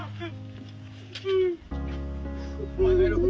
วันที่สุดท้ายเกิดขึ้นเกิดขึ้น